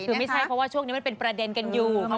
ถึงไม่ใช่เพราะว่าช่วงนี้เป็นประเด็นอยู่